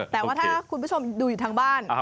แต่ว่าถ้าคุณผู้ชมดูอยู่ทางบ้าน